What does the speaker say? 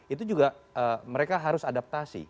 itu juga mereka harus adaptasi